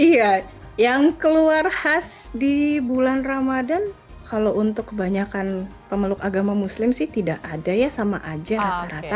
iya yang keluar khas di bulan ramadan kalau untuk kebanyakan pemeluk agama muslim sih tidak ada ya sama aja rata rata